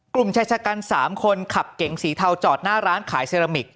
กลุ่มชายชะกัน๓คนขับเก๋งสีเทาจอดหน้าร้านขายเซรามิก